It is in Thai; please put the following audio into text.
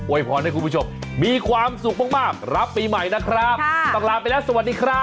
พรให้คุณผู้ชมมีความสุขมากมากรับปีใหม่นะครับต้องลาไปแล้วสวัสดีครับ